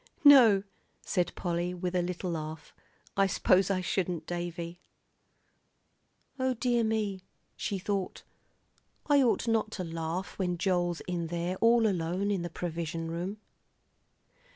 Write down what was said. "No," said Polly, with a little laugh, "I s'pose I shouldn't, Davie." O dear me, she thought, I ought not to laugh when Joel's in there all alone in the provision room.